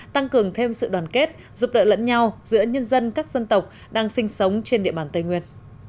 tăng cường thêm sự đoàn kết giúp đỡ lẫn nhau giữa nhân dân các dân tộc đang sinh sống trên địa bàn tây nguyên